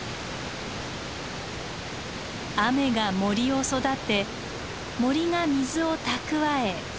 雨が森を育て森が水を蓄え里を潤す。